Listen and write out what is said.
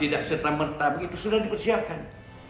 tidak serta merta begitu sudah dipersiapkan